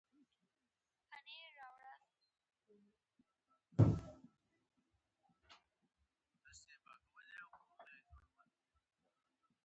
د میرمنو کار د ښځو رهبري وړتیا پیاوړې کوي.